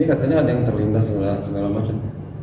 ini katanya ada yang terlintas segala macam